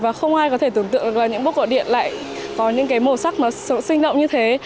và không ai có thể tưởng tượng là những bút cỏ điện lại có những cái màu sắc mà sống sinh động như thế